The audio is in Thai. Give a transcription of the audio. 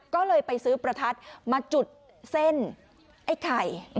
ก็เลยไปซื้อประทัดมาจุดเส้นไอ้ไข่